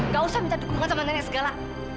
gak usah minta dukungan sama nenek segala